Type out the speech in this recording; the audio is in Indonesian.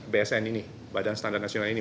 bsn ini badan standar nasional ini